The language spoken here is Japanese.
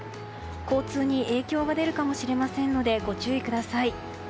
交通に影響が出るかもしれませんのでご注意ください。